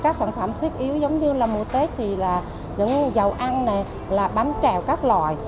các sản phẩm thiết yếu giống như mùa tết thì là dầu ăn bánh trèo các loại